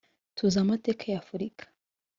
Tuzi amateka ya Afurika